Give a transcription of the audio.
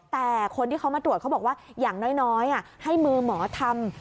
แต่คนที่เขามาตรวจเขาบอกว่าอย่างน้อยให้มือหมอทำ